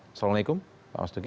assalamualaikum pak mas duki